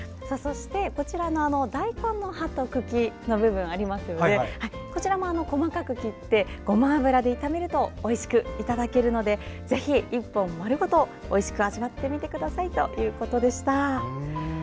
大根の葉と茎の部分も細かく切って、ごま油で炒めるとおいしくいただけるのでぜひ１本丸ごとおいしく味わってみてくださいということでした。